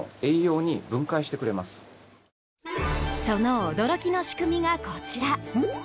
その驚きの仕組みが、こちら。